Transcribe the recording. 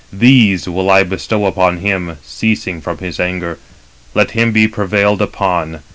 These will I bestow upon him, ceasing from his anger. Let him be prevailed upon.